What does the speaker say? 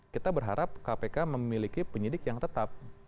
kita berharap kpk memiliki penyidik yang tetap